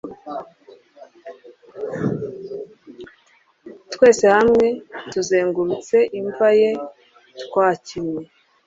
twese hamwe tuzengurutse imva ye twakinnye